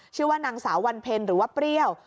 ชื่อว่านางสาววันเพ็ญหรือว่าเปรี้ยว